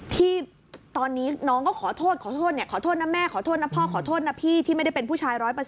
ที่ตอนนี้น้องก็ขอโทษขอโทษเนี่ยขอโทษนะแม่ขอโทษนะพ่อขอโทษนะพี่ที่ไม่ได้เป็นผู้ชาย๑๐๐